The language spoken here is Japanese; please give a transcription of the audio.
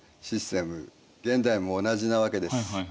現代も同じなわけです。